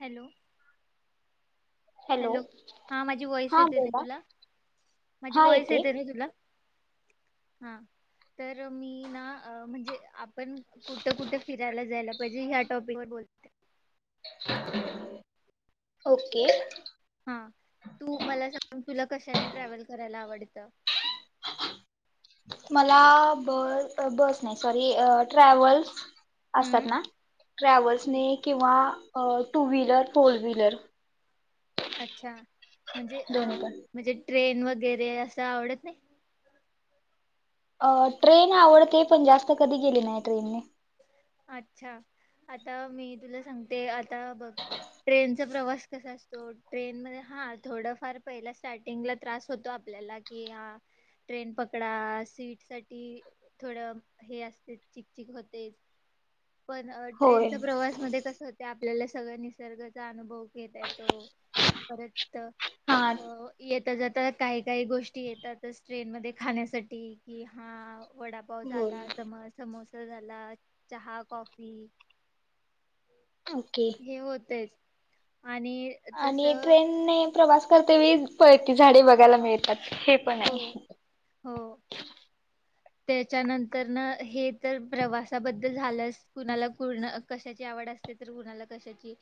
Hello. Hello हा माझी voice हां येते ना बोला तुला माझी वॉइस येते ना तुला. हा तर मी ना म्हणजे आ पण कुठं कुठे फिरायला जायला पाहिजे. जी ह्या टॉपिक म बोलते ओके. हा तू मला सांग तुला कशाने ट्रॅव्हल करायला आवड तं. मला ब बस नाही सॉरी ट्रॅव्हल्स हम्म असतात ना हम्म. ट्रॅव्हल्सने किंवा अ टू व्हीलर, फोर व्हीलर. अच्छा म्हणजे अ दोन्ही पण म्हणजे ट्रेन वगैरे असं आवडत नाही. अ ट्रेन आवडते पण जास्त कधी गेली नाही ट्रेनने. अच्छा आता मी तुला सांगते. ता बघ ट्रेन, चा प्रवास कसा असतो ट्रेन म हा थोडफार पहिला स्टार्टिंग ला त्रास होतो आपल्याला कि हा ट्रेन पकडा सीट साठी थोडं हे असते चिकचिक होते. पण होय ट्रेनच्या प्रवास मध्ये कस होत. आपल्याला सगळ्या निसर्गाचा अनुभव घेता येतो परत हा हो येत्या जरा. तर काही काही गोष्टी येतातच ट्रेन मध्ये खाण्यासाठी की हा वडापाव होय झाला सम समोसा. झाला चहा? कॉफी. ओके हे होतयच. आणि आणि तसं ट्रेन ने प्रवास. तर ते वीस ते इतकी झाडे बघायला मिळतात. हे पण हो आहे. हो त्याच्यानंतर न हे तर प्रवासाबद्दल झालंस कुणाला कुण कशाची आवड असते तर कुणाला कशाची?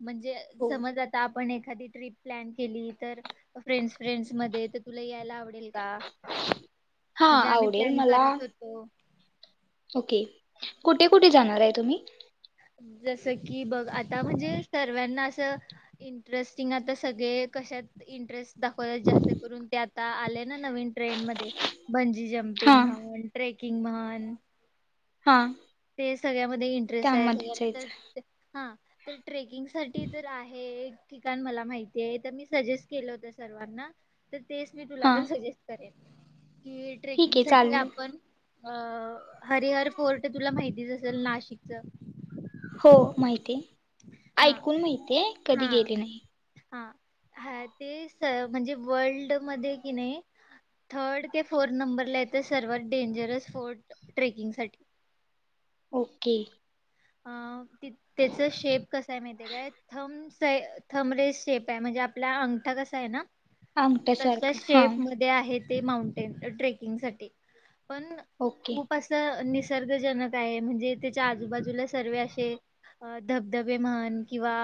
म्हणजे हो समज आता आपण एक एकादी ट्रिप प्लन केली तर फ्रेन्ड फ्रेन्ड मध्ये तर तुला यायला आवडेल. का हा म्हणजे आम्ही आवडेल मला करत होतो. ओके कुठे कुठे जाणार आहे तुम्ही जैसे की बग. आता म्हणजे सर्वांना इंटरेस्टिंग आता सगळे कशात इंटरेस्ट? दाखवायला जास्त करून ते आता आले ना नवीन ट्रेंड मध्ये बंजी हा जंपिंग म्हण ट्रेकिंग म्हण. हा. ते सगळ्यामध्ये इंटरेस्ट आहे त्यामध्ये सगळ्यांना जायचं तर हा तर ट्रेकिंग साठी तर आहे. ठिकाण मला माहिती आहे तर मी सजेस्ट केलं होत सर्वांना तर तेच मी तुला हा पण सजेस्ट करेन. की ठीक आहे ट्रेकिंगसाठी चालेल आपण अ हरिहर फोर्ट तुला माहितीच असेल नाशिकच हो माहितीय. ऐकून माहितय कधी हा गेले नाही. हा हा ते म्हणजे वर्ल्ड मध्ये की नाही थर्ड ते फोर्थ नंबरला येत सर्वात डेंजरस फोर्ट ट्रेकिंग साठी ओके [unintelligible] ते चा शेप कसा आहे माहिती आहे काय थम्स [unintelligible] थमरेज शेप आहे म्हणजे आपला अंगठा कसा आहे ना. अंगठ्या सारखं हा. मी माउंटेन ट्रेकिंग साठी पण ओके खूप असं. निसर्गजनक आहे म्हणजे त्याच्या आजूबाजूला सर्व असे धबधबे म्हण किंवा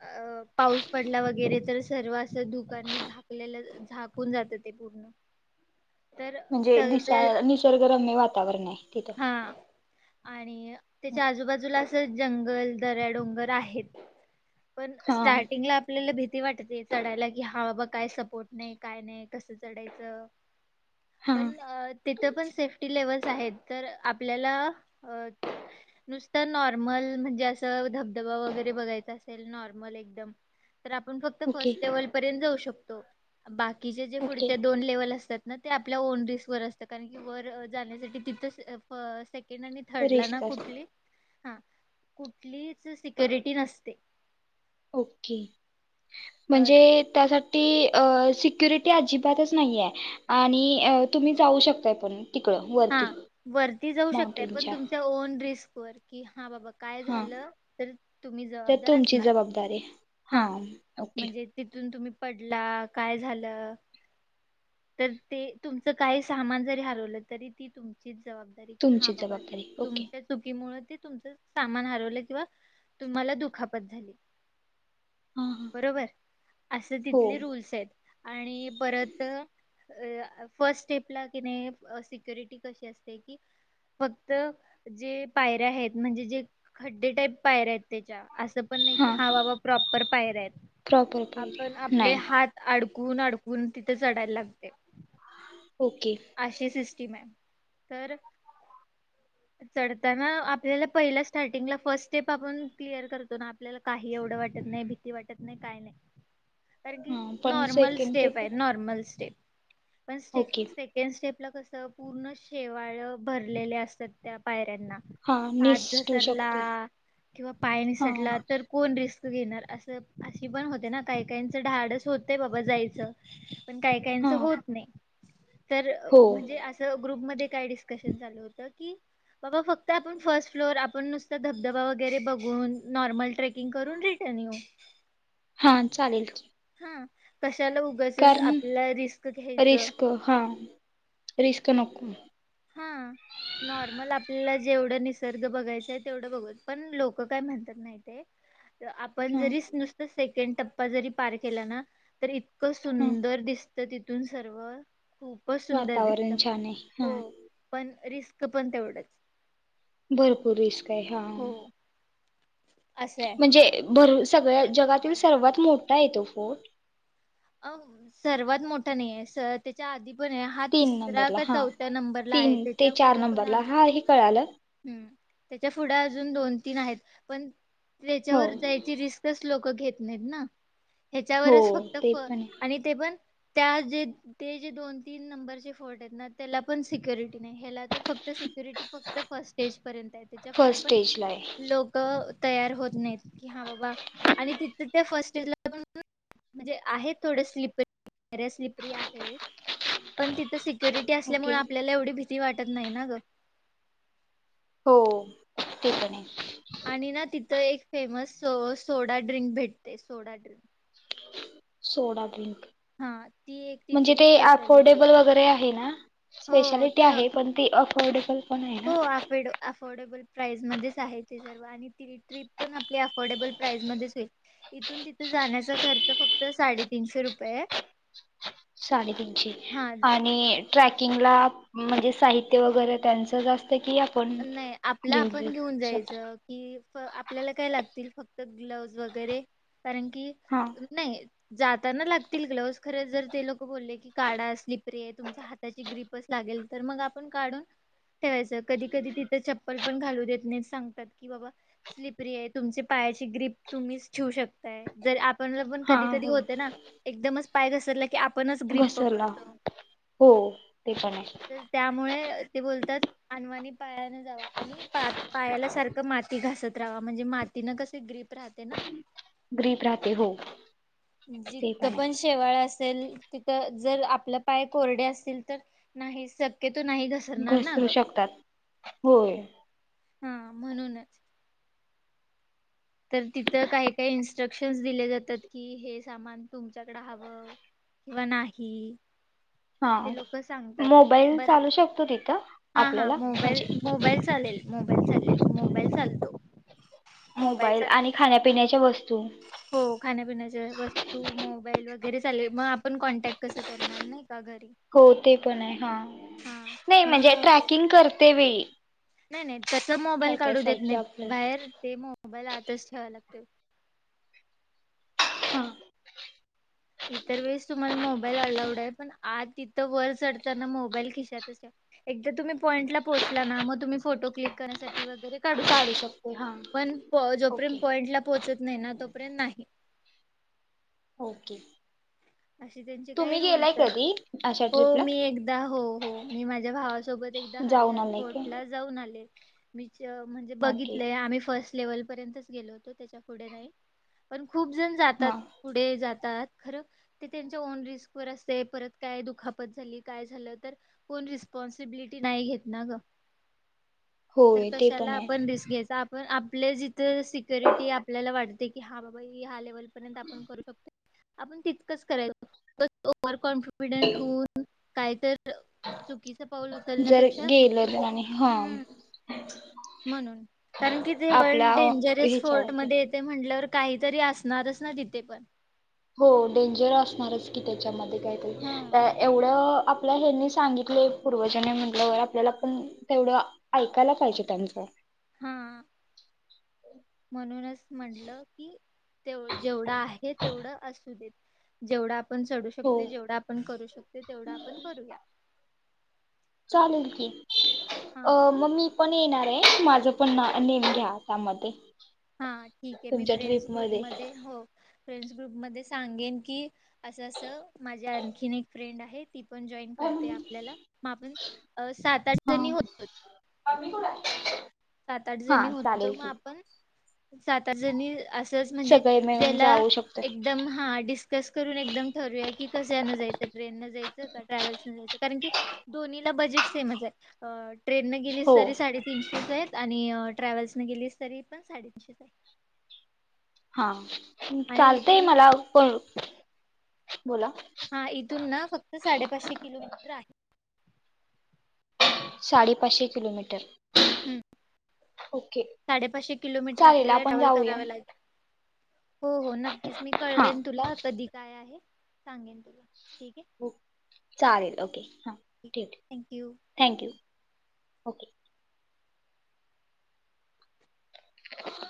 अ पाऊस पडला वगैरे तर सर्व असं दुकान झाकलेलं झाकून जात ते पूर्ण तर म्हणजे सर्व दिसाय निसर्गरम्य वातावरण आहे तिथं. हा आणि त्या आजूबाजूला जंगल, दऱ्या -डोंगर आहेत. पण हां स्टार्टिंगला आपल्याला भि भीती वाटते चढायला कि हा बाबा काय सपोर्ट नाही काय नाही कसं चढायचं. हां पण तिथ पण सेफ्टी लेवल - - तर आपल्याला अ- - नुसतं नॉर्मल म्हणजे असं धबधबा वगैरे बघायचा असेल नॉर्मल एकदम - - तर आपण फक्त ओके फर्स्ट लेवल पर्यंत जाऊ शकतो. तो. बाकीचे जे ओके पुढचे दोन लेव्हल असतात - - ना ते आपल्या ओन रिस् वर असत कारण की वर जाण्यासाठी तिथं प से सेकंड आणि थर्ड ला ना रिस्क असतात कुठली हा कुठलीच सिक्युरिटी नसते. ओके. अ, म्हणजे त्यासाठी सिक्युरिटी अजिबातच नाही आय आणि तुम्ही जाऊ शकताय पण तिकडं हा वरती वरती जाऊ शकते पण माउंटेनच्या तुमच्या ओन रिस्क - - वरती हा बाब - - काय हां झाल तर तुम्ही तर जबाबदार तुमची असणार जबाबदारी हां ओके म्हणजे तथून तुम्ही - - पडला काय झालं तर ते तुमचं काही सामान जरी हरवलं. तरी ती तुमची जबाबदारी की तुमची हाबाबा जबाबदारी ओके तुमच्या चुकीमुळं ते तुमच सामान हरवलं किंवा तुम्हाला दुखापत झाली. हां हां बरोबर असं हो तिथले रूल्स आहेत. आणि परत फर्स्ट स्टेप ला किने सि - - सिक्युरिटी कशी असते की फक्त जे पायऱ्या आहेत म्हणजे जे खड्डे टाईप पायऱ्या आहेत त्याच्या - - असं पण नाही की हां बाबा प्रॉपर पायऱ्या आहेत. प्रॉपर आपण पाहिजे आपले नाही हात अड चकून अडकून तिथे चढायला लागतय. ओके अशीच सि- - स्टिम हाय. तर चढताना आपल्याला पहिला स्टार्टिंगला फर्स्ट स्टेप आपण क्लिअर करतो ना आपल्याला काही एवढं वाटत नाही भीती वाटत नाही काय नाही. कारणं की हा पण नॉर्मल सेकंड स्टेप टेप आहे नॉर्मल स्टे - - पण स्टेप ओके स्टेप स्टेपला कसं पूर्ण शेवाळ भरलेले असतात त्या पाय - - ऱ्यांना हा हात निसटू घसरला शकते किंवा पाय हा निसटला तर कोण रिस्क - - घेणार असं अशी पण होते ना काही काहीचं धाडस होतय बाबा जायचं पण काही हा काहीचं होत नाही. तर हो म्हणजे असं ग्रुपमध्ये काय डिस्कशन चालू होत की बाबा फक्त फर्स्ट फ्लोर आपण नुसतं धबधबा वैगरे बघून नॉर्ल ट्रेकिंग करून रिटन येऊ. हा चालेल. हा. कशाला उगाचंच कारण आपला रिस्क घ्यायचं. रिस्क हा रिस्क नको. हा नॉर्मल आपल्याला जेवढं निसर्ग बघायचा आहे तेवढं बघू पण लोक काय म्हणतात माहिताय आपण हा जरीच नुसतं सेकंड टप्पा जरी पार केला ना तरी इतकं हा सुंदर दिसत. तर तिथून सर्व खूपच सुंदर दिसतं वातावरण छान आहे हा. हो. पण रिस्क पण तेवढंच. भरपूर. ते हा. हो असं आहे. म्हणजे बरं. सगळ्या जगातील सर्वात मोठा आहे तो फोर्ट. अ सर्वात मोठा नाहीय त्याच्या आधी पण हा तीन तिसरा नंबरला का हा चौथ्या नंबरला आहे. तीन ते त्याच्या चार पुुढे पण नंबरला अजून हा हे कळालं हम्म. त्याच्या पुढं अजून दोन तीन आहेत पण हो त्यांच्यावर जायची रिस्कच लोक लोक घेत नाहीत ना. हो ह्यांच्यावरच फक्त ते पण आहे आणि ते पण त्या ज ते जे दोन तीन नंबरचं फोर्ट आहेत त्याला पण सिक्युरिटी नाही हेला फक्त सिक्युरिटी फक्त फर्स्ट स्टेज पर्यंत आहे त्यांच्या पुुढे फर्स्ट पण स्टेजला आहे लोक तयार होत नाही की हा बाबा आणि तिथं त्या फर्स्ट म्हणजे आहे थोडं स्लिपरी स्लिपरी आहे पण तिथं सिक्युरिटी ओके असल्यामुळे आपल्याला एवढं भीती वाटते. त नाही ना ग. हो ते पण आहे. आणि ना ति तिथं एक फेमस स सोडा ड्रिंक भेटते सोडा ड्रिंक. Soda drink. हा ती एक म्हणजे तिथली ते स्पेशालिटी अफोर्डेबल वगैरे आहे ना. हो स्पेशालिटी ते आहे हो पण ती अफोर्डेबल पण आहे ना. अफेड अफोर्डेबल प्राईज मध्येच आहे ते सर्व आणि जेनी ट्रिप पण आपल्या अफोर्डेबल प्राइस मध्येच होईल. इथून तिथे जाण्याचा खर्च फक्त साडेतीनशे रुपये आहे. [unintelligible] साडेतीनशे हा आणि [unintelligible] ट्रॅकिंगला म्हणजे साहित्य वगैरे त्यांचंच अस नाही आपलं आपण घेऊन स्वतः जायचं की आपल्याला काय लागतील, फक्त ग्लोव्हज वगैरे कारण की हा नाही जाताना लागतील ग्लोव्हज खरंच जर ते लोक बोलले की काढा. स्लिपरी आहे तुमच्या हाताची ग्रीपच लागेल, तर मग आपण काढून ठेवायचं. कधी कधी तिथं चप्पल? पण घालु देत नाहीत सांगतात की बाबा स्लिपरी आहे. तुमच्या पायाची ग्रीप तुम्हीच ठेवू शकताय जर आप पण हा कधी कधी हो होत ना? एकदमच पाय घसरला की आपणच ग्रीप घसरला पकडतो हो ते पण आहे. तर त्यामुळे ते बोलतात अनवानी पायान जावा आणि पा पायाला सारखं माती घासत ते रहावा म्हणजे मातीन कसे ग्रीप राहते ना [inaudible] ग्रीप राहते हो ते जितकं पण आहे शेवाळा अस -सेल तिथ जर आपलं पाय कोरडे असतील तर नाही शक्य घसरू शकतात होय. हा म्हणूनच तर तिथं काही काही इन्स्ट्रक्शन्स दिले जातात. की हे सामान तुमच्याकडे हवं किंवा नाही. हा ते लोक सांगतात मोबाईल बऱ्या चालू शकतो तिथं [unintelligible] हा हा आपल्याला मोबाल म्हणजे [inaudible] मोबाईल चालेल मोबाईल चालेल मोबाईल चालतो मोबाईल मोबाईलचा आणि काही ईशु नाही. खाण्यापिण्याच्या वस्तू [unintelligible] हो खाण्यापिण्याच्या वस्तू मोबाईल वगैरे. वगैर लेल मग आपण कॉन्टॅक्ट कस? करणार नाही का घर? हो ते पण आहे, हा नाही म्हणून म्हणजे मोबाईल ट्रॅकिंग करते वेळी. नाही नाही कस काय मोबाईल काय काढू देत साहित्य नाही आपलं बाहेर ते मोबाईल आताच ठेवा लागतय. हा. इतर वेळेस तुम्हाला मोबाईल अलावुड आहे. पण आत तिथं वर चढताना मोबाईल खिशातच ठेवा. एकदा तुम्ही पॉईंटला पोहोचला ना मग तुम्ही फोटो क्लिक करण्यासाठी वगैरे, काडू काढू शकता, शकते हा पण जोपर्यंत ओके पॉइंट ला पोहोचत नाही ना तोपर्यंत नाही. ओके. अशी त्यांची काही तुम्ही गेलाय रूल्स आहे. कधी अशा हो ट्रिपला मी एकदा हो हो, मी माझ्या भावासोबत एकदा जाऊन हरिहर आलाय काय फोर्टला जाऊन आले. मी. म्हणजे ओके बघितले आम्ही फर्स्ट. लेवल पर्यंतचं, गेलो होतो त्याच्या पुढे नाही. खूप जण जातात हा पुढे जात तात खरं. ते त्यांच्या ओन रिस्क वर असते परत काय दुखापत झाली काय झालं तर कोण रिस्पॉन्सिबिलिटी नाही घेत ना ग तर होय ते कशाला पण आहे आपण रिस्क घ्यायचं आप पण आपले जिथं सिक्युरिटी आपल्याला वाटते, की हा बाबा हा लेवल. आपण करू शकतो. आपण तीत. कस कराय [unintelligible] कॉन्फिडेंट होऊन. कायतर. चुकीच पाऊल जर उचलण्यापेक्षा, गेलं तर आणि हा हम्म म्हणून कारण कि ते वर्ल्ड आपल्या डेंजरस फोर्ट ह्याच्यावरती मध्ये येते म्हटल्यावर, काहीतरी असणारच ना, तिथे पण हो, डेंजर असणारच की त्याच्यामध्ये. आता हा. एवढं.. आपल्या हेनी सांगितले, पूर्वजांने म्हटल्यावर आपल्याला पण तेवढं ऐकायला पाहिजे. त्यांचं हा, म्हणूनच म्हटलं की ते जेवढं आहे, तेवढं असू देत. जेवढा आप आपण चढू हो शकते, जेवढा आपण करू शकते तेवढा आपण करूया. चालेल की, अ हा मग मी पण येणार ये. माझं पण ना नेम घ्या. त्यामध्ये, हा ठीक आहे. मी तुमच्या फ्रेंड्स ट्रिप ग्रुप मध्ये, हो फ्रेंड्स ग्रुप मध्ये सांगेन की, असं असं माझ्या आणखीन एक, फ्रेंड आहेत. ती पण जॉईन करते, आपल्याला मग आपण अ सात आठ हा जणी होतोयं. सात आठ हा जणी होतो चालेल म की आपण सात आठ जणी अस च म्हणजे सगळे मिळून जेला जाऊ शकतो एकदम हा डिस्कस करून एकदम ठरूया की कशान जायचं ट्रेन न जायचं ट्रॅव्हल्सने कारण की दोन्हीला बजेट सेमच आहे अ ट्रेनं गेली हो तरी साडेतीनशेच आहेत. आणि ट्रॅव्हल्स न गेलीस तरी पण साडेतीनशे आहेत. हा चालतय मला पण बोला हा इथून ना फक्त साडेपाशे किलोमीटर आहे. साडेपाशे किलोमीटर हम ओके साडेपाशे किलोमीटर चालेल आपल्याला आपण ट्रॅवल जाऊया कराव लागेल हो हो नक्कीच मी हा कळवेन तुला कधी काय आहे. सांगेन तुला ठीक आहे चालेल ओके हा ठीक थँक यू ओके [unintelligible]